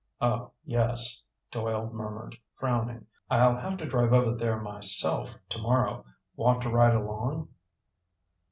"Oh, yes," Doyle murmured, frowning. "I'll have to drive over there myself tomorrow. Want to ride along?"